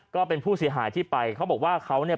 ก็เป็นผู้เสียหายที่ไปเขาบอกว่าเขาเนี่ย